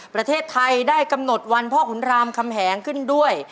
ประเทศไทยได้กำหนดวันพ่อขุนรามคำแหงขึ้นด้วย